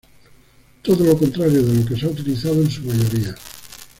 Todo lo contrario de lo que se ha utilizado en su mayoría.